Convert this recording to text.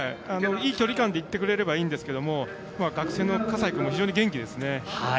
いい距離感でいってくれればいいんですけど学生の葛西君も非常に元気ですね。